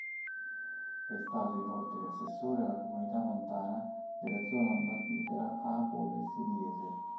È stato inoltre assessore alla Comunità montana della zona marmifera apuo-versiliese.